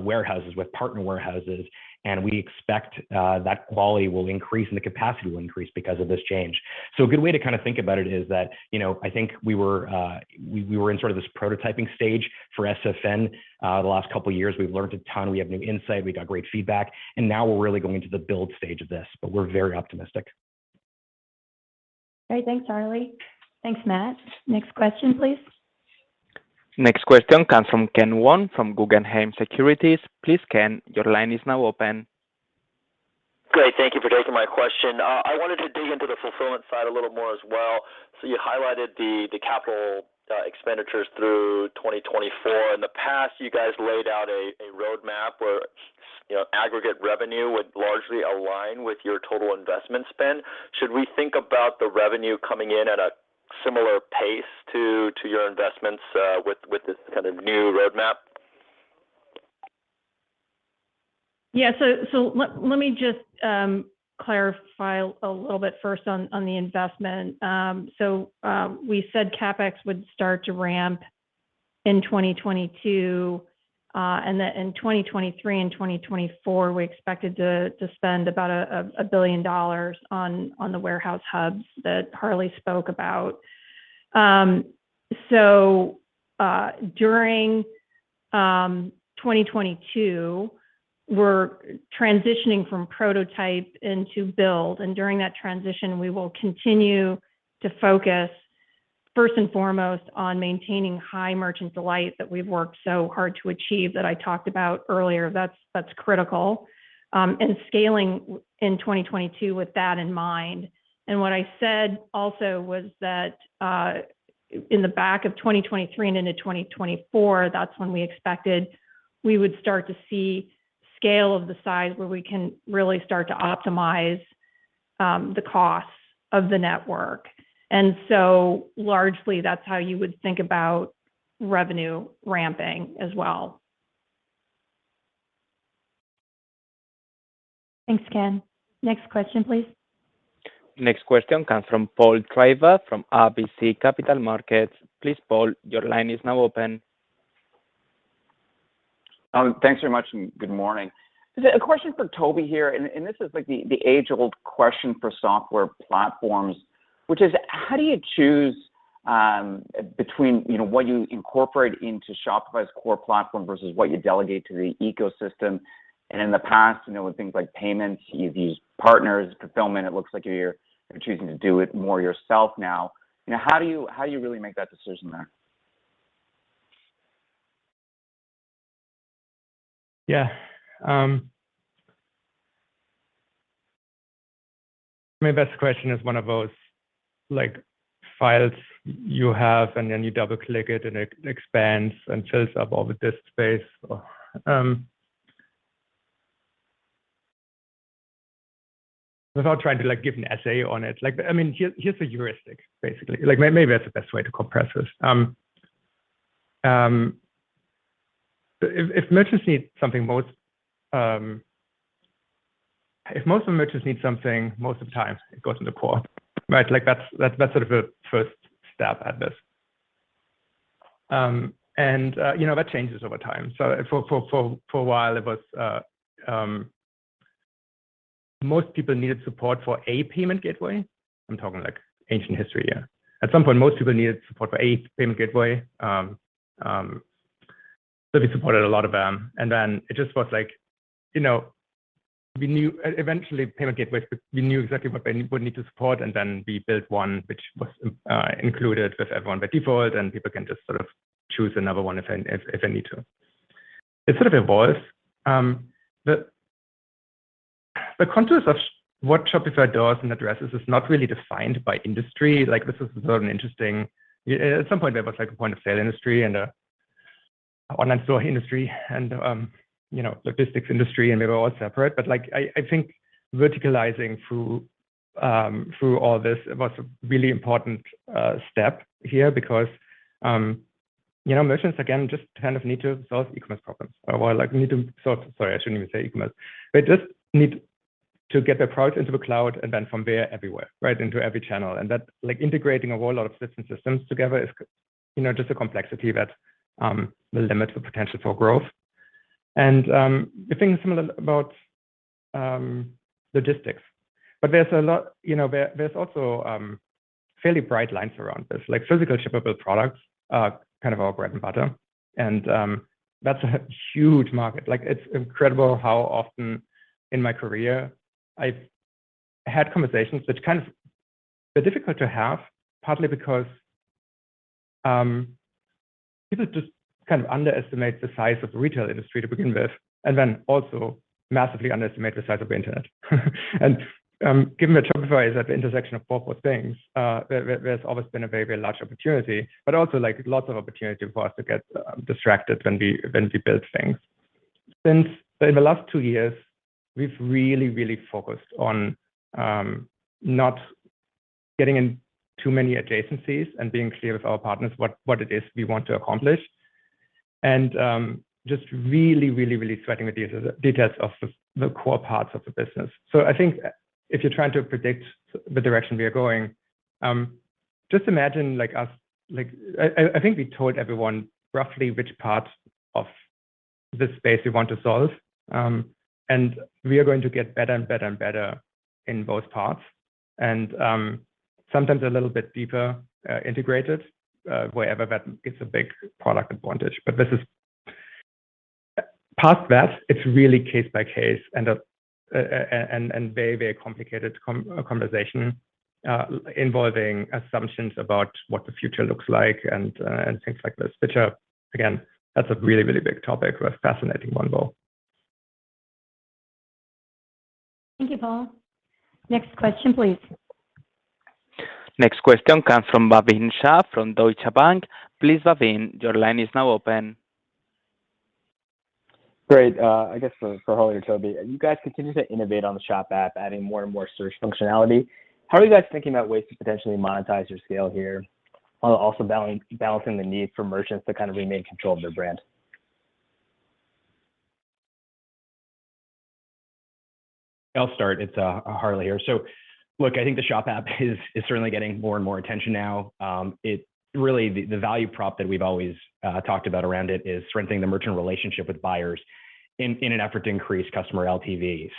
warehouses with partner warehouses, and we expect that quality will increase and the capacity will increase because of this change. A good way to kind of think about it is that, you know, I think we were in sort of this prototyping stage for SFN the last couple years. We've learned a ton, we have new insight, we got great feedback, and now we're really going into the build stage of this, but we're very optimistic. Great. Thanks, Harley. Thanks, Matt. Next question, please. Next question comes from Ken Wong from Guggenheim Securities. Please, Ken, your line is now open. Great. Thank you for taking my question. I wanted to dig into the fulfillment side a little more as well. You highlighted the capital expenditures through 2024. In the past, you guys laid out a roadmap where, you know, aggregate revenue would largely align with your total investment spend. Should we think about the revenue coming in at a similar pace to your investments with this kind of new roadmap? Yeah. Let me just clarify a little bit first on the investment. We said CapEx would start to ramp in 2022, and then in 2023 and 2024, we expected to spend about $1 billion on the warehouse hubs that Harley spoke about. During 2022, we're transitioning from prototype into build. During that transition, we will continue to focus first and foremost on maintaining high merchant delight that we've worked so hard to achieve that I talked about earlier. That's critical. Scaling in 2022 with that in mind. What I said also was that, in the back of 2023 and into 2024, that's when we expected we would start to see scale of the size where we can really start to optimize the costs of the network. Largely, that's how you would think about revenue ramping as well. Thanks, Ken. Next question, please. Next question comes from Paul Treiber from RBC Capital Markets. Please, Paul, your line is now open. Thanks very much, and good morning. A question for Tobi here, and this is like the age-old question for software platforms, which is how do you choose between, you know, what you incorporate into Shopify's core platform versus what you delegate to the ecosystem? In the past, you know, with things like payments, you've used partners. Fulfillment, it looks like you're choosing to do it more yourself now. You know, how do you really make that decision there? Yeah. Maybe that's the question, one of those like files you have, and then you double-click it, and it expands and fills up all the disk space. Without trying to, like, give an essay on it, like, I mean, here's the heuristic, basically. Like, maybe that's the best way to compress this. If most of the merchants need something, most of the time it goes into core, right? Like, that's sort of a first stab at this. You know, that changes over time. For a while it was most people needed support for a payment gateway. I'm talking like ancient history here. At some point, most people needed support for a payment gateway, so we supported a lot of them. Then it just was like, you know, we knew exactly what they would need to support, and then we built one which was included with everyone by default, and people can just sort of choose another one if they need to. It sort of evolves. The contours of what Shopify does and addresses is not really defined by industry. Like, this is sort of an interesting point. At some point, there was like a Point of Sale industry and an online store industry and, you know, logistics industry, and they were all separate. Like, I think verticalizing through all this was a really important step here because, you know, merchants, again, just kind of need to solve e-commerce problems. Or well, like, need to sort. Sorry, I shouldn't even say e-commerce. They just need to get their product into the cloud and then from there everywhere, right? Into every channel. That, like, integrating a whole lot of systems together is, you know, just a complexity that will limit the potential for growth. The thing is similar about logistics. But there's a lot, you know, there's also fairly bright lines around this, like physical shippable products are kind of our bread and butter and that's a huge market. Like, it's incredible how often in my career I've had conversations which kind of they're difficult to have, partly because people just kind of underestimate the size of the retail industry to begin with, and then also massively underestimate the size of the internet. Given that Shopify is at the intersection of both those things, there's always been a very large opportunity, but also, like, lots of opportunity for us to get distracted when we build things. In the last two years, we've really focused on not getting in too many adjacencies and being clear with our partners what it is we want to accomplish and just really sweating the details of the core parts of the business. I think if you're trying to predict the direction we are going, just imagine like us, like... I think we told everyone roughly which parts of this space we want to solve, and we are going to get better and better and better in both parts and, sometimes a little bit deeper, integrated, wherever that is a big product advantage. But this is... Past that, it's really case by case and very complicated conversation involving assumptions about what the future looks like and things like this, which are, again, that's a really big topic, a fascinating one though. Thank you, Paul. Next question, please. Next question comes from Bhavin Shah from Deutsche Bank. Please, Bhavin, your line is now open. Great. I guess for Harley or Tobi, you guys continue to innovate on the Shop app, adding more and more search functionality. How are you guys thinking about ways to potentially monetize your scale here, while also balancing the need for merchants to kind of remain in control of their brand? I'll start. It's Harley here. Look, I think the Shop app is certainly getting more and more attention now. It really, the value prop that we've always talked about around it is strengthening the merchant relationship with buyers in an effort to increase customer LTV.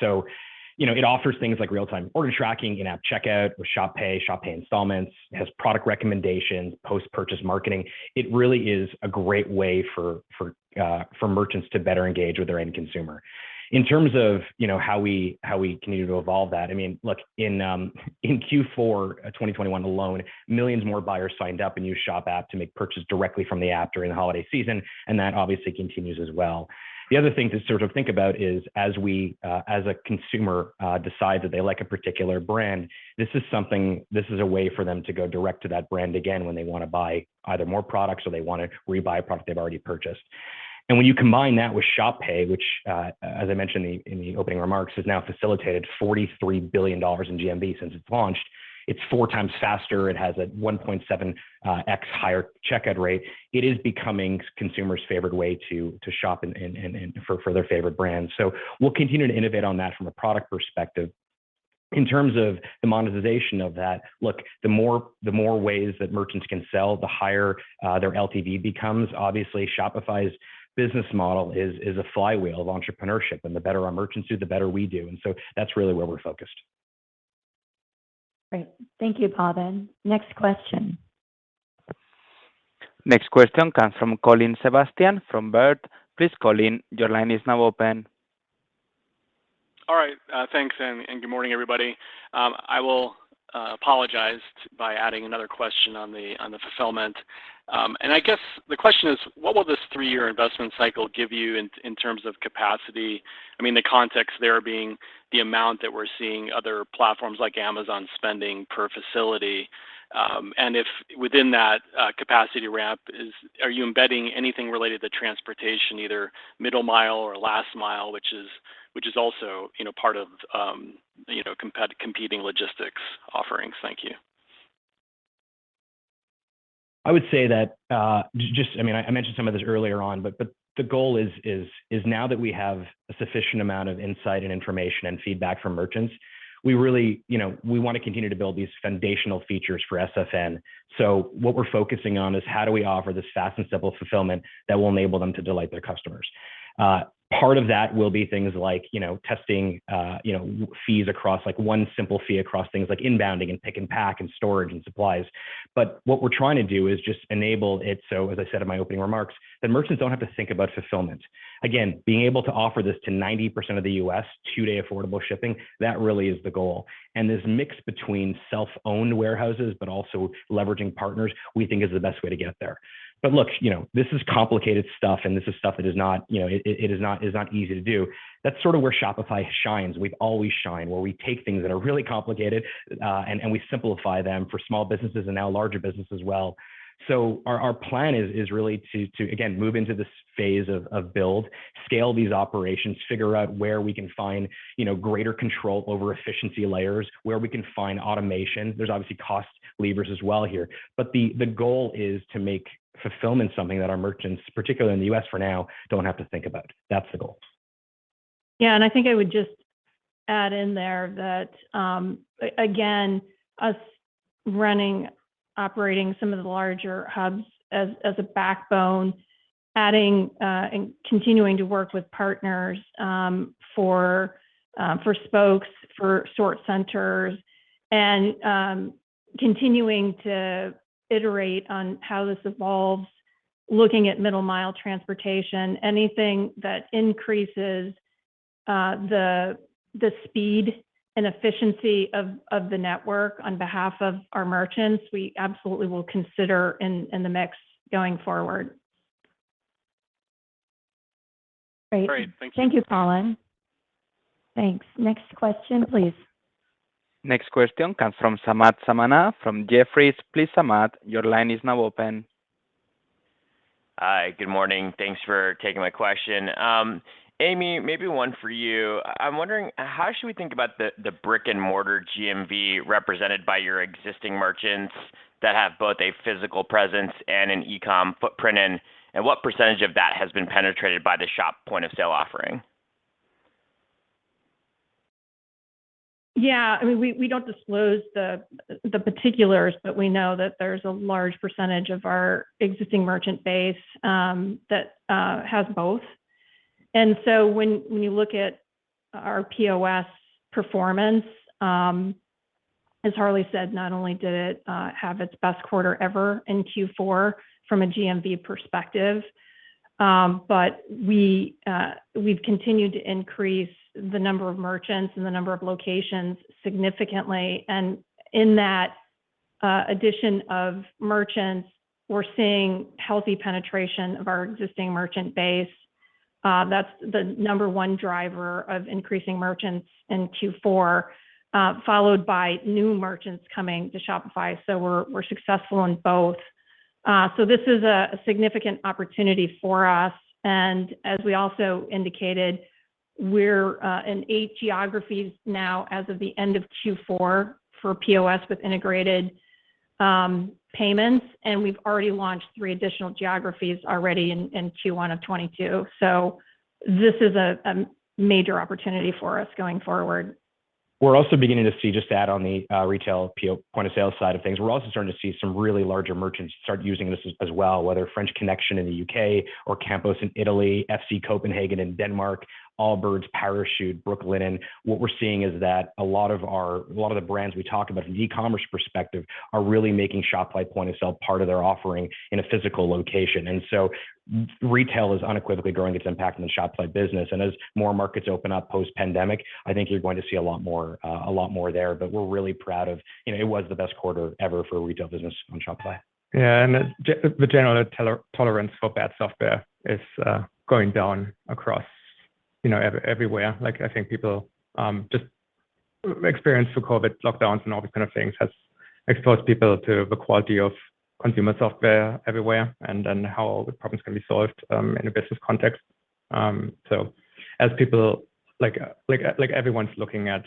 You know, it offers things like real-time order tracking, in-app checkout with Shop Pay, Shop Pay Installments. It has product recommendations, post-purchase marketing. It really is a great way for merchants to better engage with their end consumer. In terms of, you know, how we continue to evolve that, I mean, look, in Q4 2021 alone, millions more buyers signed up and used Shop app to make purchases directly from the app during the holiday season, and that obviously continues as well. The other thing to sort of think about is as a consumer decides that they like a particular brand, this is something, this is a way for them to go direct to that brand again when they wanna buy either more products or they wanna rebuy a product they've already purchased. When you combine that with Shop Pay, which as I mentioned in the opening remarks, has now facilitated $43 billion in GMV since it's launched. It's 4x faster. It has a 1.7x higher checkout rate. It is becoming consumers' favored way to shop and for their favorite brands. We'll continue to innovate on that from a product perspective. In terms of the monetization of that, look, the more ways that merchants can sell, the higher their LTV becomes. Obviously, Shopify's business model is a flywheel of entrepreneurship, and the better our merchants do, the better we do. That's really where we're focused. Great. Thank you, Bhavin. Next question. Next question comes from Colin Sebastian from Baird. Please, Colin, your line is now open. All right, thanks, and good morning, everybody. I will apologize by adding another question on the Fulfillment. I guess the question is, what will this three-year investment cycle give you in terms of capacity? I mean, the context there being the amount that we're seeing other platforms like Amazon spending per facility. If within that capacity ramp, are you embedding anything related to transportation, either middle mile or last mile, which is also, you know, part of, you know, competing logistics offerings. Thank you. I would say that, just I mean, I mentioned some of this earlier on, but the goal is now that we have a sufficient amount of insight and information and feedback from merchants, we really, you know, we wanna continue to build these foundational features for SFN. What we're focusing on is how do we offer this fast and simple fulfillment that will enable them to delight their customers. Part of that will be things like, you know, testing, you know, fees across, like, one simple fee across things like inbounding and pick and pack and storage and supplies. What we're trying to do is just enable it, so as I said in my opening remarks, that merchants don't have to think about fulfillment. Being able to offer this to 90% of the U.S., two-day affordable shipping, that really is the goal. This mix between self-owned warehouses but also leveraging partners, we think is the best way to get there. Look, you know, this is complicated stuff, and this is stuff that is not, you know, it is not easy to do. That's sort of where Shopify shines. We've always shined, where we take things that are really complicated, and we simplify them for small businesses and now larger business as well. Our plan is really to again move into this phase of build, scale these operations, figure out where we can find, you know, greater control over efficiency layers, where we can find automation. There's obviously cost levers as well here. The goal is to make fulfillment something that our merchants, particularly in the U.S. for now, don't have to think about. That's the goal. Yeah, I think I would just add in there that again, us running, operating some of the larger hubs as a backbone, adding and continuing to work with partners for spokes, for sort centers, and continuing to iterate on how this evolves, looking at middle mile transportation, anything that increases the speed and efficiency of the network on behalf of our merchants, we absolutely will consider in the mix going forward. Great. Thanks. Thank you, Colin. Thanks. Next question, please. Next question comes from Samad Samana from Jefferies. Please, Samad, your line is now open. Hi, good morning. Thanks for taking my question. Amy, maybe one for you. I'm wondering how should we think about the brick-and-mortar GMV represented by your existing merchants that have both a physical presence and an e-com footprint, and what percentage of that has been penetrated by the Shop Point of Sale offering? Yeah, I mean, we don't disclose the particulars, but we know that there's a large percentage of our existing merchant base that has both. When you look at our POS performance, as Harley said, not only did it have its best quarter ever in Q4 from a GMV perspective, but we've continued to increase the number of merchants and the number of locations significantly. In that addition of merchants, we're seeing healthy penetration of our existing merchant base. That's the number one driver of increasing merchants in Q4, followed by new merchants coming to Shopify. We're successful in both. This is a significant opportunity for us, and as we also indicated, we're in eight geographies now as of the end of Q4 for POS with integrated payments, and we've already launched three additional geographies already in Q1 of 2022. This is a major opportunity for us going forward. We're also beginning to see, just to add on the retail Point of Sale side of things, we're also starting to see some really larger merchants start using this as well, whether French Connection in the U.K. or Campos in Italy, F.C. Copenhagen in Denmark, Allbirds, Parachute, Brooklinen. What we're seeing is that a lot of the brands we talk about from an e-commerce perspective are really making Shopify Point of Sale part of their offering in a physical location. Retail is unequivocally growing its impact on the Shopify business. As more markets open up post-pandemic, I think you're going to see a lot more there. We're really proud of, you know, it was the best quarter ever for retail business on Shopify. Yeah. The general tolerance for bad software is going down across, you know, everywhere. Like, I think people just experience with COVID lockdowns and all these kind of things has exposed people to the quality of consumer software everywhere and then how the problems can be solved in a business context. So as people like everyone's looking at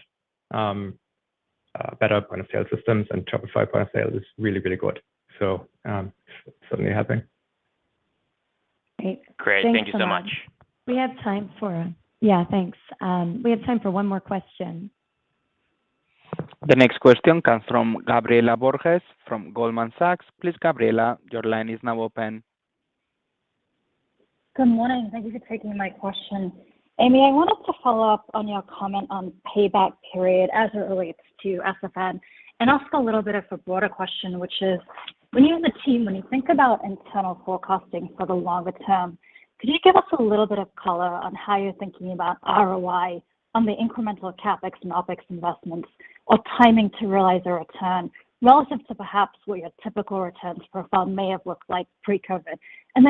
better Point of Sale systems and Shopify Point of Sale is really, really good. So certainly helping. Great. Thanks so much. Great. Thank you so much. Yeah, thanks. We have time for one more question. The next question comes from Gabriela Borges from Goldman Sachs. Please, Gabriela, your line is now open. Good morning. Thank you for taking my question. Amy, I wanted to follow up on your comment on payback period as it relates to SFN and ask a little bit of a broader question, which is, when you and the team, when you think about internal forecasting for the longer term, could you give us a little bit of color on how you're thinking about ROI on the incremental CapEx and OpEx investments or timing to realize a return relative to perhaps what your typical returns profile may have looked like pre-COVID?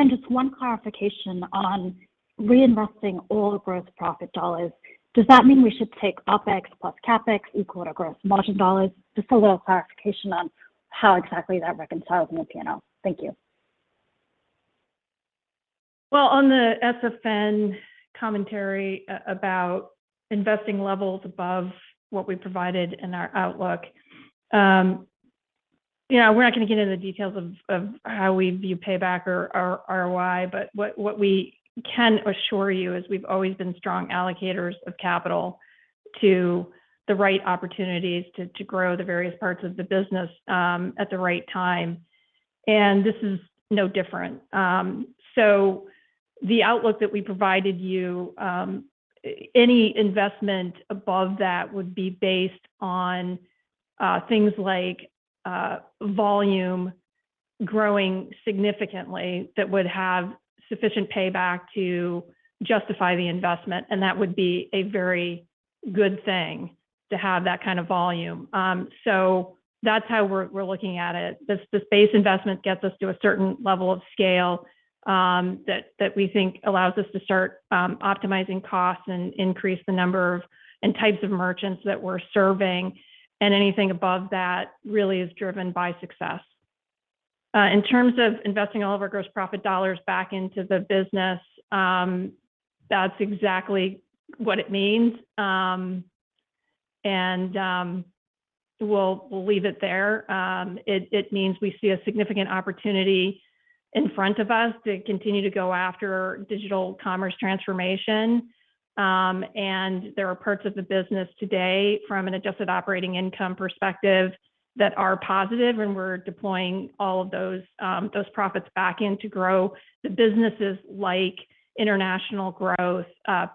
Just one clarification on reinvesting all the gross profit dollars. Does that mean we should take OpEx plus CapEx equal to gross margin dollars? Just a little clarification on how exactly that reconciles in the P&L. Thank you. Well, on the SFN commentary about investing levels above what we provided in our outlook, you know, we're not gonna get into the details of how we view payback or ROI, but what we can assure you is we've always been strong allocators of capital to the right opportunities to grow the various parts of the business at the right time. This is no different. The outlook that we provided you, any investment above that would be based on things like volume growing significantly that would have sufficient payback to justify the investment, and that would be a very good thing to have that kind of volume. That's how we're looking at it. The base investment gets us to a certain level of scale, that we think allows us to start optimizing costs and increase the number of, and types of merchants that we're serving. Anything above that really is driven by success. In terms of investing all of our gross profit dollars back into the business, that's exactly what it means. We'll leave it there. It means we see a significant opportunity in front of us to continue to go after digital commerce transformation. There are parts of the business today from an adjusted operating income perspective that are positive, and we're deploying all of those profits back in to grow the businesses like international growth,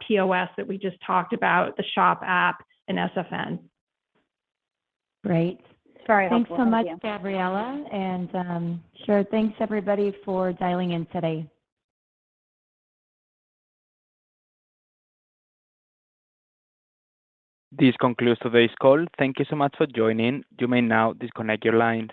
POS that we just talked about, the Shop app, and SFN. Great. Sorry, I also have. Thanks so much, Gabriela. Yeah. Sure, thanks, everybody, for dialing in today. This concludes today's call. Thank you so much for joining. You may now disconnect your lines.